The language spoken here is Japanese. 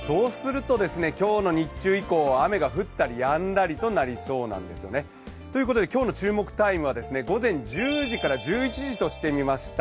今日の日中以降、雨が降ったりやんだりとなりそうなんですね。ということで今日の注目タイムは午前１０時から１１時としてみました。